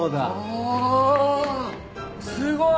おぉすごい！